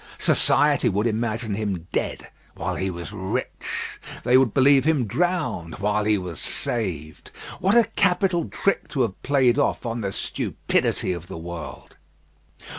Society would imagine him dead, while he was rich. They would believe him drowned, while he was saved. What a capital trick to have played off on the stupidity of the world.